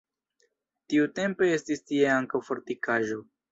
Tiutempe estis tie ankaŭ fortikaĵo.